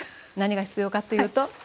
何が必要かというと。